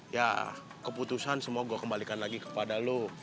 ya keputusan semua gue kembalikan lagi kepada lo